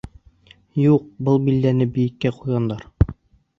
Юҡ, был билдәне бейеккә ҡуйғандар.